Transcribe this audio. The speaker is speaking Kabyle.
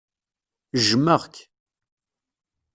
Jjmeɣ-k.